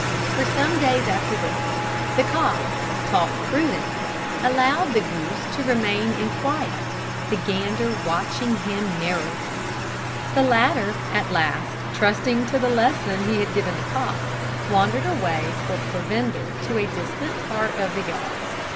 For some days after this, the cock, taught prudence, allowed the goose to remain in quiet, the gander watching him narrowly. The latter at last, trusting to the lesson he had given the cock, wandered away for provender to a distant part of the yard.